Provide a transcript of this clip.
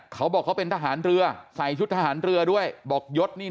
เขาบอกเขาเป็นทหารเรือใส่ชุดทหารเรือด้วยบอกยศนี่